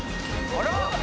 あら！